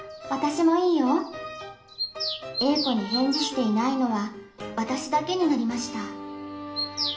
Ａ子に返事していないのはわたしだけになりました。